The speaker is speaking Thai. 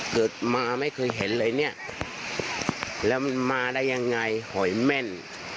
เกิดมาไม่เคยเห็นเลยเนี่ยแล้วมันมาได้ยังไงหอยแม่น